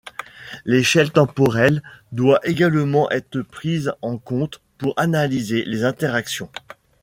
L’échelle temporelle doit également être prise en compte pour analyser les interactions.